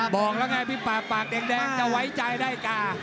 บอกแล้วไงพี่ปากปากแดงจะไว้ใจได้กา